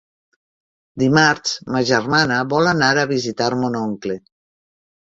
Dimarts ma germana vol anar a visitar mon oncle.